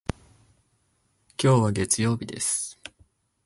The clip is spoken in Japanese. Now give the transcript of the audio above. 今日は月曜日です。